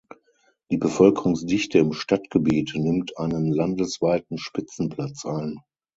Die Bevölkerungsdichte im Stadtgebiet nimmt einen landesweiten Spitzenplatz ein.